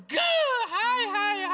はいはいはい。